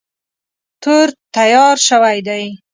تور تیار شوی دی.